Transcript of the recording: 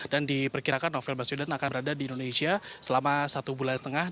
diperkirakan novel baswedan akan berada di indonesia selama satu bulan setengah